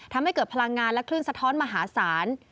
ทำให้เกิดพลังงานและคลื่นสะท้อนมหาศาล